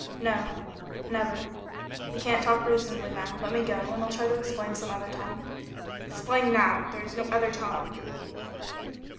"No, never. We can't talk reasonably now. Let me go, and I'll try to explain some other time." "Explain now. There is no other time."